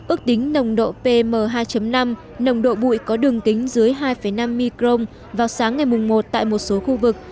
ước tính nồng độ pm hai năm nồng độ bụi có đường kính dưới hai năm micron vào sáng ngày một tại một số khu vực